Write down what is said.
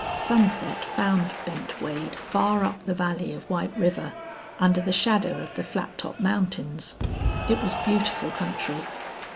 Sunset found Bent Wade far up the valley of White River under the shadow of the Flat Top Mountains. It was beautiful country.